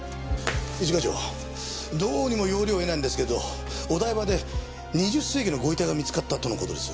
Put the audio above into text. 一課長どうにも要領を得ないんですけどお台場で２０世紀のご遺体が見つかったとの事です。